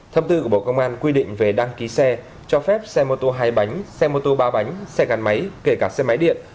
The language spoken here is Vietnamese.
thông tư của bộ công an quy định về đăng ký xe cho phép xe mô tô hai bánh xe mô tô ba bánh xe gắn máy kể cả xe máy điện